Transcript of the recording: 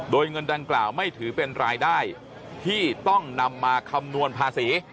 โดยเงินดังกล่าวไม่ถือเป็นรายได้ที่ต้องนำมาคำนวณภาษี